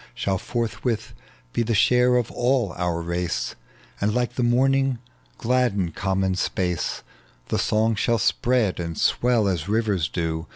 Shall forthwith he tlie share of all our race, And lilie the morning gladden common space : The song shall spread and swell as rivers do.